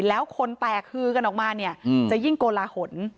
แล้วคนแตกฮือกันออกมาเนี่ยจะยิ่งโกลาหล